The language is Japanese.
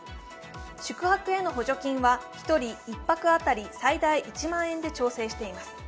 宿泊への補助金は１人１泊当たり最大１万円で調整しています。